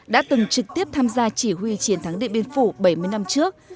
đã từng trực tiếp tham gia chỉ huy chiến thắng điện biên phủ bảy mươi năm trước